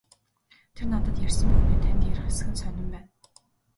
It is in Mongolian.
Тэр надад ярьсан бүхнээ танд ярих эсэх нь сонин байна.